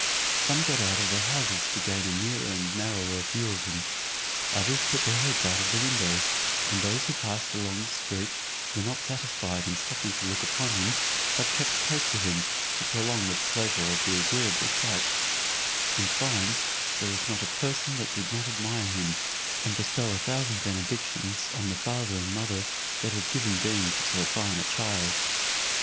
Some got out of their houses to gain a nearer and narrower view of him; others put their heads out of the windows, and those who passed along the street were not satisfied in stopping to look upon him, but kept pace with him, to prolong the pleasure of the agreeable sight: in fine, there was not a person that did not admire him, and bestow a thousand benedictions on the father and mother that had given being to so fine a child.